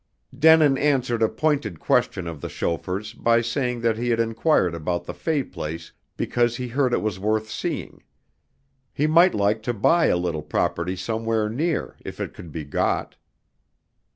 Denin answered a pointed question of the chauffeur's by saying that he had enquired about the Fay place because he heard it was worth seeing. He might like to buy a little property somewhere near if it could be got.